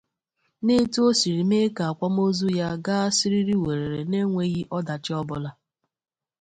na etu o siri mee ka akwamozu ya gaa siriri-wèrèrè n'enweghị ọdachi ọbụla.